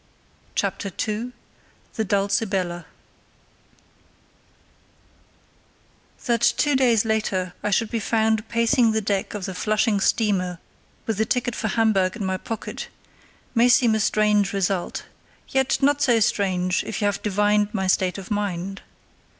CHAPTER II. The Dulcibella That two days later I should be found pacing the deck of the Flushing steamer with a ticket for Hamburg in my pocket may seem a strange result, yet not so strange if you have divined my state of mind.